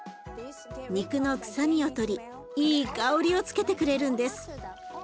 肉の臭みを取りいい香りをつけてくれるんです。